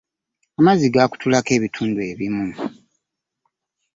Amazzi gaakutulako ebitundu ebimu.